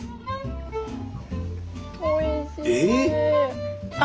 おいしい！